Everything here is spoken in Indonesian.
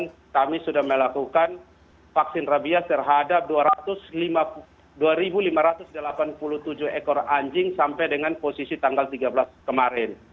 dan kami sudah melakukan vaksin rabies terhadap dua lima ratus delapan puluh tujuh ekor anjing sampai dengan posisi tanggal tiga belas kemarin